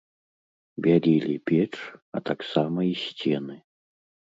Бялілі печ, а таксама і сцены.